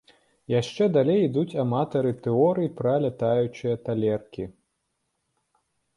Яшчэ далей ідуць аматары тэорый пра лятаючыя талеркі.